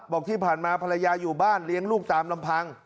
บอกที่ผ่านมาภรรยาอยู่บ้านเลี้ยงลูกตามลำพัง